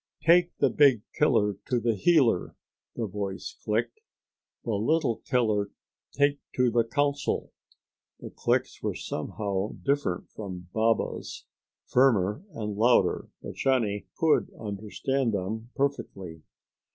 "Take the big killer to the healer," the voice clicked. "The little killer take to the council." The clicks were somehow different from Baba's, firmer and louder; but Johnny could understand them perfectly.